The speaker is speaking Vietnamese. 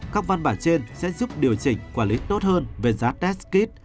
các văn bản trên sẽ giúp điều chỉnh quản lý tốt hơn về giá test kit